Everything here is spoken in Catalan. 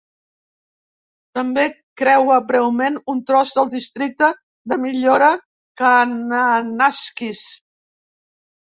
També creua breument un tros del Districte de Millora Kananaskis.